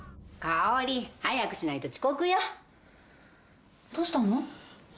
香織早くしないと遅刻よどうしたの？